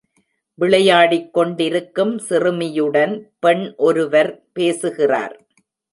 விளையாடிக் கொண்டிருக்கும் சிறுமியுடன் பெண் ஒருவர் பேசுகிறார்.